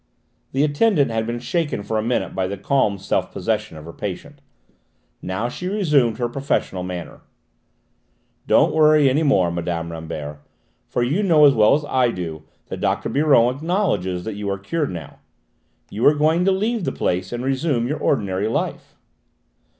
The attendant had been shaken for a minute by the calm self possession of her patient; now she resumed her professional manner. "Don't worry any more, Mme. Rambert, for you know as well as I do that Dr. Biron acknowledges that you are cured now. You are going to leave the place and resume your ordinary life."